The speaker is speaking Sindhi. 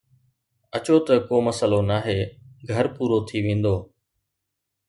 اچو ته ڪو مسئلو ناهي، گهر پورو ٿي ويندو